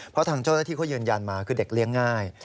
เพราะทางโจทย์ที่เขาเยือนมาคือเด็กเลี้ยงง่าย